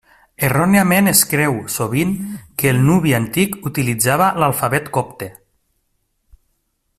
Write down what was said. Erròniament es creu, sovint, que el nubi antic utilitzava l'alfabet copte.